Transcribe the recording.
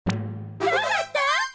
どうだった？